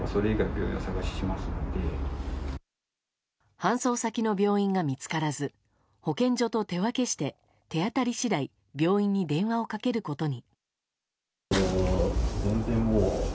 搬送先の病院が見つからず保健所として手分けして手当たり次第病院に電話をかけることに。